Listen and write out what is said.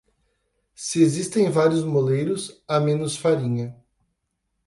Se existem vários moleiros, há menos farinha.